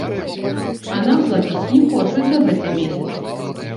А нам плаціць не хочуць за гэты месяц.